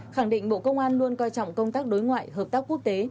khẳng định bộ công an luôn coi trọng công tác đối ngoại hợp tác quốc tế